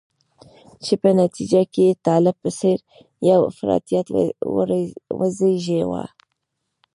چې په نتیجه کې یې طالب په څېر یو افراطیت وزیږاوه.